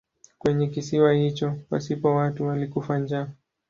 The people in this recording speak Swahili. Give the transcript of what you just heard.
Kwenye kisiwa hicho pasipo watu alikufa njaa.